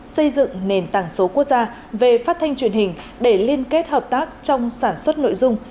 xây dựng nền tảng số quốc gia về phát thanh truyền hình để liên kết hợp tác trong sản xuất nội dung